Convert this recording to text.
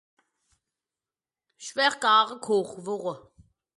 'ch wär garn Koch worre.